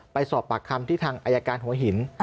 ไปสอบปากคำที่ทางอายการหัวหิน